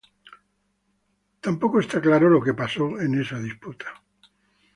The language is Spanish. Tampoco está claro lo que pasó en esta disputa.